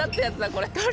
これ？